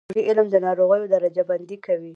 د پیتالوژي علم د ناروغیو درجه بندي کوي.